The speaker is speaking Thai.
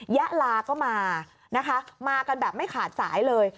ยะลาก็มานะคะมากันแบบไม่ขาดสายเลย